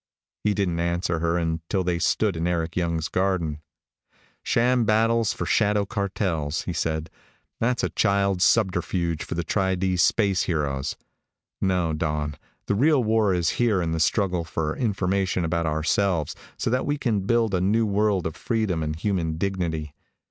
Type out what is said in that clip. He didn't answer her until they stood in Eric Young's garden. "Sham battles for shadow cartels," he said. "That's a child's subterfuge for the Tri D space heroes. No, Dawn, the real war is here in the struggle for information about ourselves so that we can build a new world of freedom and human dignity.